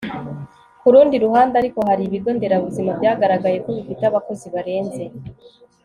ku rundi ruhande ariko hari ibigo nderabuzima byagaragaye ko bifite abakozi barenze